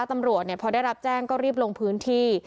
ตำรวจพอได้รับแจ้งก็รีบลงพื้นที่